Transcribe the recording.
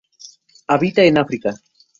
Habita en África.